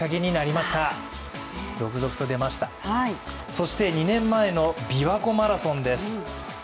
そして２年前のびわ湖マラソンです。